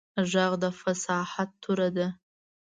غږ د فصاحت توره ده